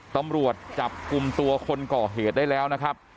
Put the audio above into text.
ตำรวจจับกลุ่มตัวคนก่อเหตุได้แล้วนะครับ